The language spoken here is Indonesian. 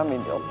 amin ya allah